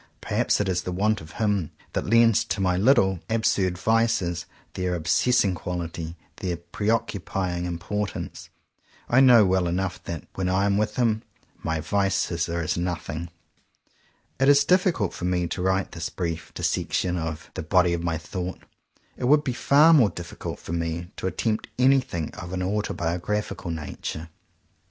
Perhaps it is the want of him that lends to my little absurd vices their obsessing quality, their preoccupying importance. I know well enough that, when I am with him, my vices are as nothing. If it is difficult for me to write this brief dissection of "the body of my thought," it would be far more difficult for me to attempt anything of an autobiographical nature.